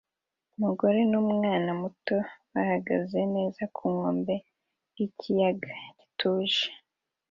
Umugore n'umwana muto bahagaze neza ku nkombe y'ikiyaga gituje